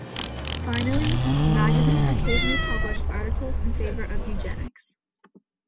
Finally, the magazine occasionally published articles in favor of eugenics.